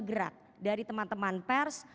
gerak dari teman teman pers